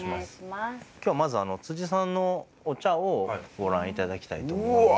今日はまずさんのお茶をご覧いただきたいと思うので。